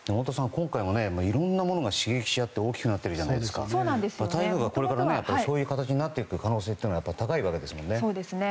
今回もいろんなものが刺激し合って大きくなっていますから台風がこれからそういう形になっていく可能性が高いわけですよね。